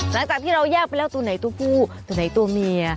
หลังจากที่เราแยกไปแล้วตัวไหนตัวผู้ตัวไหนตัวเมีย